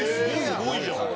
すごいじゃん。